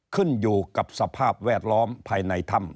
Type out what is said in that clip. ขึ้นอยู่กับสภาพแวดล้อมภายในถ้ำ